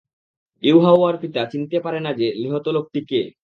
ইউহাওয়ার পিতা চিনতে পারে না যে, নিহত লোকটি কে?